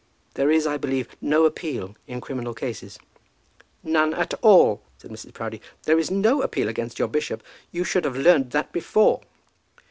There is, I believe, no appeal in criminal cases." "None at all," said Mrs. Proudie. "There is no appeal against your bishop. You should have learned that before."